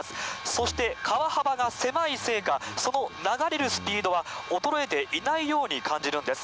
そして、川幅が狭いせいか、その流れるスピードは衰えていないように感じるんです。